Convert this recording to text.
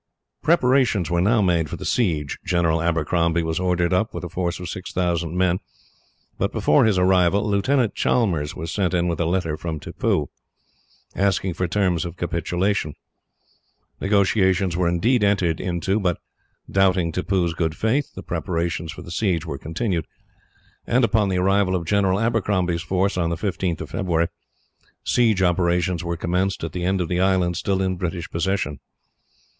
Preparations were now made for the siege. General Abercrombie was ordered up, with a force of six thousand men, but before his arrival, Lieutenant Chalmers was sent in with a letter from Tippoo, asking for terms of capitulation. Negotiations were indeed entered into, but, doubting Tippoo's good faith, the preparations for the siege were continued; and upon the arrival of General Abercrombie's force, on the 15th of February, siege operations were commenced at the end of the island still in British possession.